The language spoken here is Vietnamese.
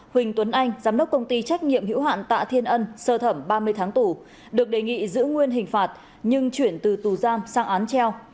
huỳnh tuấn anh giám đốc công ty trách nhiệm hữu hạn tạ thiên ân sơ thẩm ba mươi tháng tù được đề nghị giữ nguyên hình phạt nhưng chuyển từ tù giam sang án treo